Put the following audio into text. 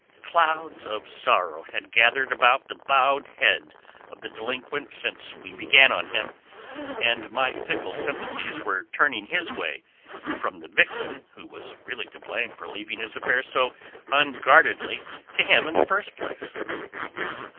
Clouds of sorrow had gathered about the bowed head of the delinquent since we began on him, and my fickle sympathies were turning his way from the victim who was really to blame for leaving his affairs so unguardedly to him in the first place.